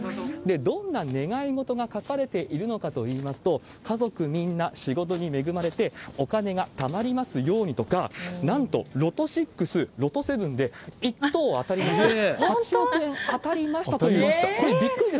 どんな願い事が書かれているのかといいますと、家族みんな、仕事に恵まれて、お金がたまりますようにとか、なんと、ロト６、ロト７で１等当たりました、８億円当たりましたという、これ、びすごい。